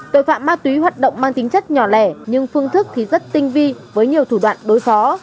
tội phạm ma túy hoạt động mang tính chất nhỏ lẻ nhưng phương thức thì rất tinh vi với nhiều thủ đoạn đối phó